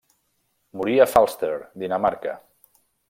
Morí a Falster, Dinamarca.